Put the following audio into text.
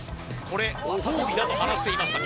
これご褒美だと話していました